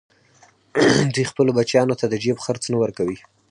دوی خپلو بچیانو ته د جېب خرڅ نه ورکوي